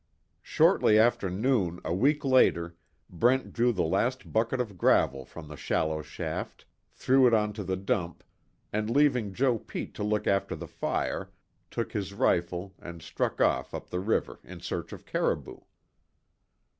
Shortly after noon a week later, Brent drew the last bucket of gravel from the shallow shaft, threw it onto the dump, and leaving Joe Pete to look after the fire, took his rifle and struck off up the river in search of caribou.